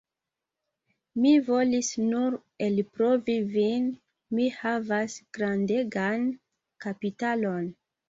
Mi volis nur elprovi vin, mi havas grandegan kapitalon!